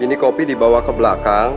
ini kopi dibawa ke belakang